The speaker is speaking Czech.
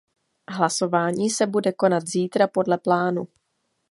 Hlasování se bude konat zítra podle plánu.